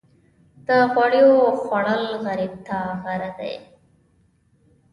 د غوړیو خوړل غریب ته غر دي.